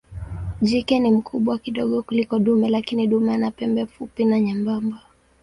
Jike ni mkubwa kidogo kuliko dume lakini dume ana pembe fupi na nyembamba.